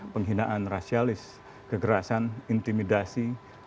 penghinaan rasialis kegerasan intimidasi